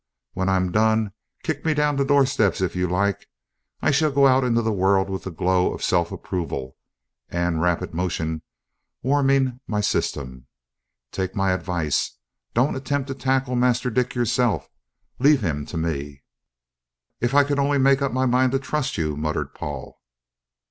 When I've done, kick me down the doorsteps if you like. I shall go out into the world with the glow of self approval (and rapid motion) warming my system. Take my advice, don't attempt to tackle Master Dick yourself. Leave him to me." "If I could only make up my mind to trust you!" muttered Paul.